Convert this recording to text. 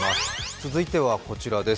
続いてはこちらです。